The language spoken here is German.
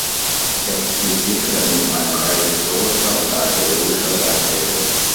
Er publizierte daneben eine Reihe historischer und archäologischer Beiträge.